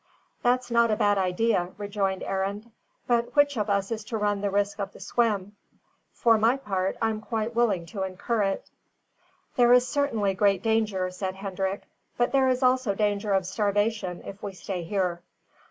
"That's not a bad idea," rejoined Arend; "but which of us is to run the risk of the swim. For my part, I'm quite willing to incur it." "There is certainly great danger," said Hendrik; "but there is also danger of starvation if we stay here."